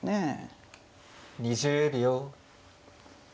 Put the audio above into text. ２０秒。